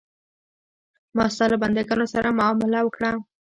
ما ستا له بندګانو سره معامله وکړه.